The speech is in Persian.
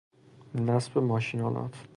نصب ماشینآلات